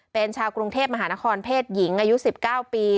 เป็นชาวกรุงเทพมหานครเพศหญิงอายุ๑๙ปี